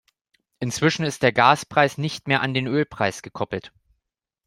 Inzwischen ist der Gaspreis nicht mehr an den Ölpreis gekoppelt.